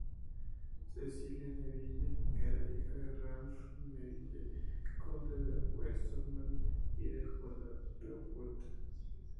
Cecilia Neville era hija de Ralph Neville, conde de Westmorland, y de Juana Beaufort.